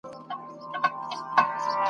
اوږده غاړه یې ښایسته بې لونګینه !.